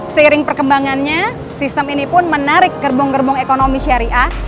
seiring perkembangannya sistem ini pun menarik gerbong gerbong ekonomi syariah